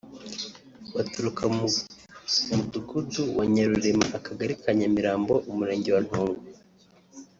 baturuka mu mudugudu wa Nyarurema akagari ka Nyamirambo umurenge wa Ntongwe